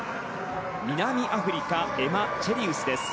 南アフリカエマ・チェリウスです。